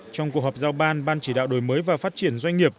trong cuộc họp giao ban ban chỉ đạo đổi mới và phát triển doanh nghiệp